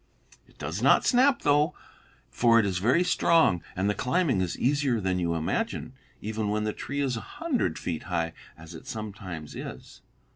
"It does not snap, though, for it is very strong; and the climbing is easier than you imagine, even when the tree is a hundred feet high, as it sometimes is.